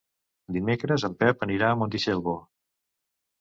Dimecres en Pep anirà a Montitxelvo.